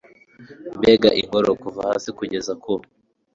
mbega ingoro, kuva hasi kugeza ku